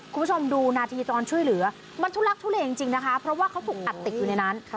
คุณผู้ชมดูนาทีตอนช่วยเหลือมันทุลักทุเลจริงนะคะเพราะว่าเขาถูกอัดติดอยู่ในนั้น